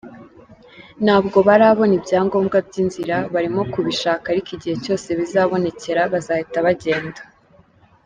Ntabwo barabona ibyangombwa by’inzira barimo kubishaka ariko igihe cyose bizabonekera bazahita bagenda.